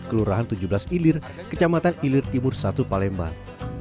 kelurahan tujuh belas ilir kecamatan ilir timur satu palembang